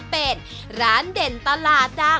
เผ็ดจะเผ็ด